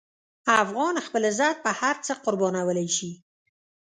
افغان خپل عزت په هر څه قربانولی شي.